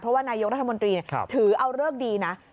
เพราะว่านายกรัฐมนตรีถือเอาเลิกดีนะ